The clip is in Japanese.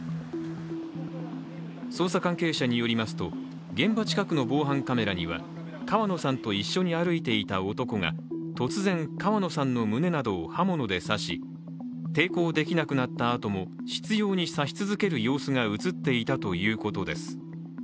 捜査関係者によりますと現場近くの防犯カメラには川野さんと一緒に歩いていた男が突然、川野さんの胸などを刃物で刺し、抵抗できなくなったあとも執ように刺し続ける様子が映っていたということです。